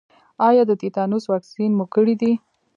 ایا د تیتانوس واکسین مو کړی دی؟